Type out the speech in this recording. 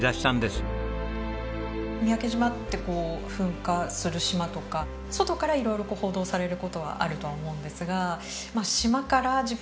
三宅島ってこう「噴火する島」とか外から色々こう報道される事はあるとは思うんですが。